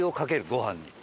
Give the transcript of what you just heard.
ご飯に？